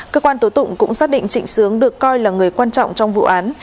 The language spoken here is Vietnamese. cơ quan tố tụng cũng xác định trịnh sướng được coi là người quan trọng trong vụ án